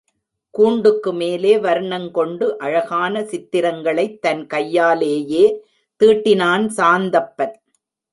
கூண்டுக்கு மேலே வர்ணங் கொண்டு அழகான சித்திரங்களைத் தன் கையாலேயே தீட்டினான் சாந்தப்பன்.